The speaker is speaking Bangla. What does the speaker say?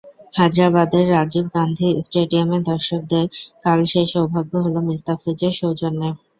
হায়দরাবাদের রাজীব গান্ধী স্টেডিয়ামের দর্শকদের কাল সেই সৌভাগ্য হলো মুস্তাফিজের সৌজন্যে।